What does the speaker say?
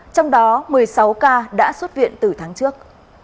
trong đó một mươi sáu ca đã xuất viện từ tháng trước